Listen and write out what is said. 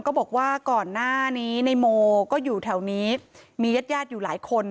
ก็บอกว่าก่อนหน้านี้ในโมก็อยู่แถวนี้มีญาติญาติอยู่หลายคน